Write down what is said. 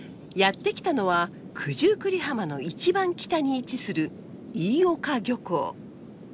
やって来たのは九十九里浜の一番北に位置する飯岡漁港。